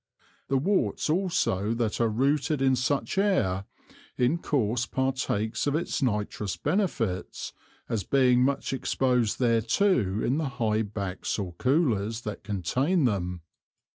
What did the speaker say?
The Worts also that are rooted in such an Air, in course partakes of its nitrous Benefits, as being much exposed thereto in the high Backs or Coolers that contain them.